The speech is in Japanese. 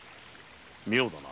妙だな。